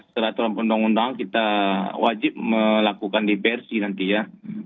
setelah terang undang undang kita wajib melakukan diversi nanti ya